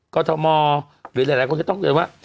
กอธมมรณ์หรือหลายคนต้องเตือนว่า